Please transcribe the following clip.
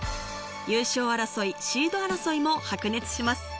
優勝争い、シード争いも白熱します。